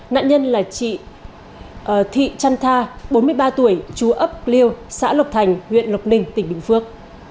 nạn nhân là chị thị trăn tha bốn mươi ba tuổi chú ấp liêu xã lộc thành huyện lộc ninh tỉnh bình phước